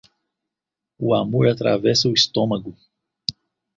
O amor atravessa o estômago.